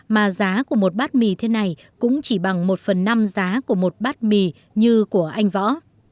mà giá của một bát mì thế này cũng chỉ bằng một phần năm giá của một bát mì như của anh võ